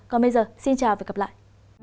còn bây giờ xin chào và gặp lại